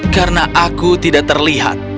karena aku tidak terlihat